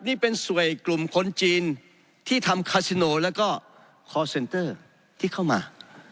นี่เป็นสวยกลุ่มคนจีนที่ทำคาซิโนแล้วก็คอร์เซนเตอร์ที่เข้ามา